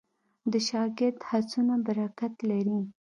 د شاګرد هڅونه برکت لري.